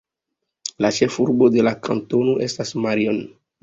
La ĉefurbo de la kantono estas Marion.